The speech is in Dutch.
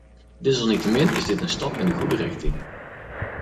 Desalniettemin is dit een stap in de goede richting.